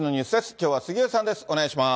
きょうは杉上さんです。